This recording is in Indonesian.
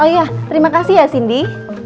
oh iya terima kasih ya cindy